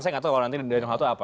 saya nggak tahu nanti dari dua apa